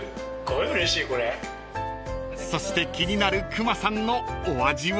［そして気になるくまさんのお味は？］